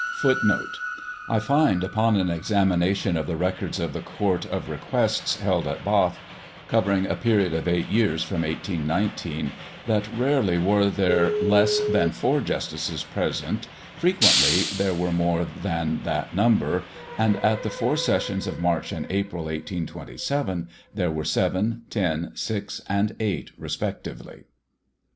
[#][#] I find upon an examination of the records of the Court of Requests, held at Bath, covering a period of eight years from 1819, that rarely were there less than four justices present, frequently there were more than that number, and at the four sessions of March and April, 1827, there were seven, ten, six, and eight, respectively.